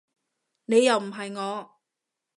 你又唔係我